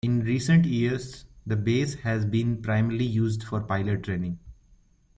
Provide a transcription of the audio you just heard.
In recent years the base has been primarily used for pilot training.